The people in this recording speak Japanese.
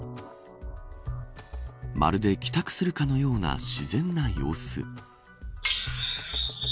まるで帰宅するかのような自然な様子。